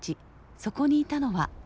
そこにいたのは。